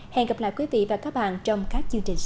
hẹn gặp lại quý vị và các bạn trong các chương trình sau